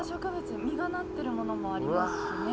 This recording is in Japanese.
実がなってるものもありますしね。